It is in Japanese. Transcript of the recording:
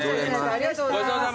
ありがとうございます。